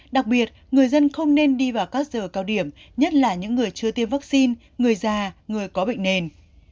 đặc biệt người dân không nên đi vào các giờ cao điểm nhất là những người chưa tiêm vaccine người già người có bệnh nền